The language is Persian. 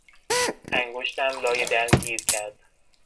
انگشتم لای در گیر کرد.